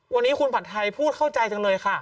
วันนี้คุณผัดไทยพูดเข้าใจจังเลยค่ะ